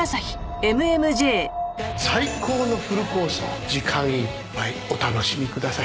最高のフルコースを時間いっぱいお楽しみください。